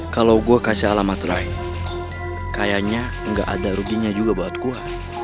kalau gue kasih alamat right kayaknya nggak ada ruginya juga buat gue